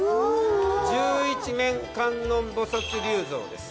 十一面観音菩薩立像です。